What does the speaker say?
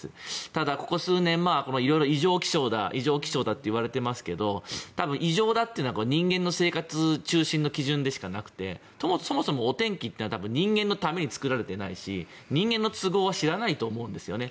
ただ、ここ数年異常気象だといわれていますけど多分、異常だというのは人間の生活の基準でしかなくてそもそもお天気は人間のために作られてないし人間の都合を知らないと思うんですね。